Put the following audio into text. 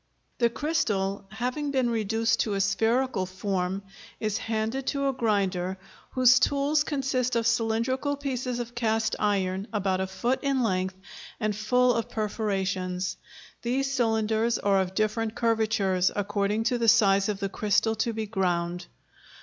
The crystal, having been reduced to a spherical form, is handed to a grinder, whose tools consist of cylindrical pieces of cast iron, about a foot in length, and full of perforations. These cylinders are of different curvatures, according to the size of the crystal to be ground.